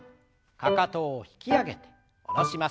かかとを引き上げて下ろします。